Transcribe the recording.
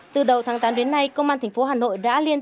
từ đầu tháng tám đến nay công an tp hà nội đã liên tục